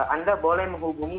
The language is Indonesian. anda boleh menghubungi